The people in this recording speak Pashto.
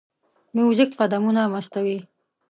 موزیک قدمونه مستوي.